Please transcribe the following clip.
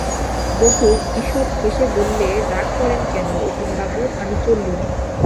বটু ঈষৎ হেসে বললে, রাগ করেন কেন অতীনবাবু, আমি চললুম।